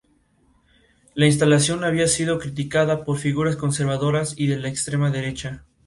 La instalación había sido criticada por figuras conservadoras y de la extrema derecha.